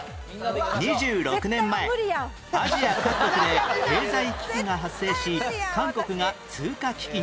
２６年前アジア各国で経済危機が発生し韓国が通貨危機に